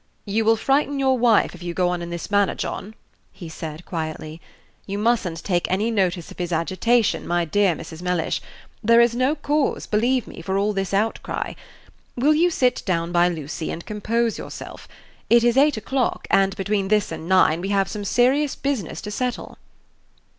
"You will frighten your wife if you go on in this manner, John," he said, quietly. "You must n't take any notice of his agitation, my dear Mrs. Mellish. There is no cause, believe me, for all this outcry. Will you sit down by Lucy and compose yourself? It is eight o'clock, and between this and nine we have some serious business to settle."